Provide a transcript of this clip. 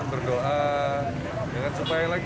berdoa supaya lagi